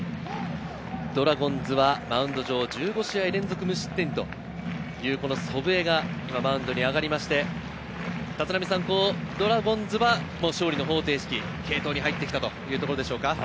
ドラゴンズはマウンド上、１５試合連続無失点、この祖父江が今マウンドに上がりまして、ドラゴンズは勝利の方程式、継投に入ってきたというところでしょうか？